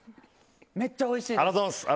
めっちゃおいしいです！